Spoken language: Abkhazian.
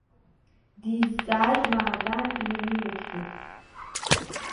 Дизҵааит Маадан инаимҩатәшәа.